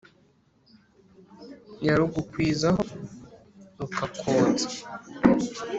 yarugukwiza ho rukakotsa